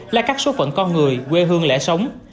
là các số phận con người quê hương lễ sống